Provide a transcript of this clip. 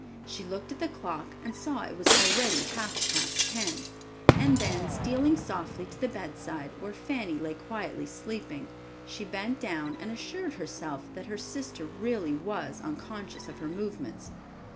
She looked at the clock and saw it was already half past ten, and then stealing softly to the bedside where Fanny lay quietly sleeping, she bent down and assured herself that her sister really was unconscious of her movements.